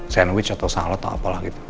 sandwich atau salad atau apalah gitu